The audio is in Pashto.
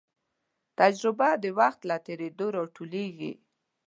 تجربه د وخت له تېرېدو راټوکېږي.